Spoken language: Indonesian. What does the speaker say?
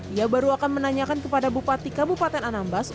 ia baru akan menanyakan kepada bupati kabupaten anambas